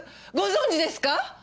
ご存じですか？